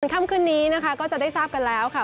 ค่ำคืนนี้นะคะก็จะได้ทราบกันแล้วค่ะ